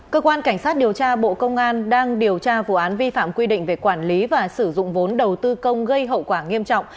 cơ quan cảnh sát điều tra bộ công an đang điều tra vụ án vi phạm quy định về quản lý và sử dụng vốn đầu tư công gây hậu quả nghiêm trọng